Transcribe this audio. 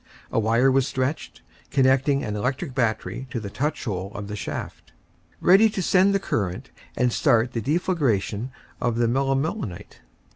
A wire was stretched, connecting an electric battery to the touch hole of the shaft, ready to send the current and start the deflagration of the melimelonite.